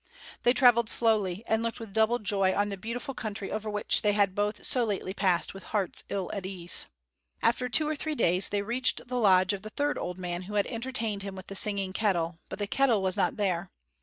They traveled slowly and looked with double joy on the beautiful country over which they had both so lately passed with hearts ill at ease. After two or three days they reached the lodge of the third old man who had entertained him with the singing kettle; but the kettle was not there.